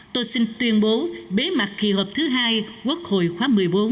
tôi xin tuyên bố bế mặt kỳ hợp thứ hai quốc hội khóa một mươi bốn